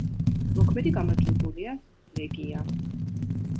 მოქმედი გამარჯვებულია ლეგია.